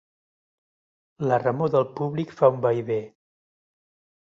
La remor del públic fa un vaivé.